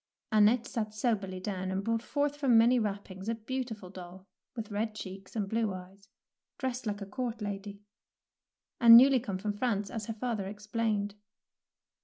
'' Annette sat soberly down and brought forth from many wrappings a beautiful doll, with red cheeks and blue eyes, dressed like a court lady, and newly come from France, as her father explained.